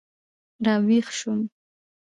را ویښ شوم.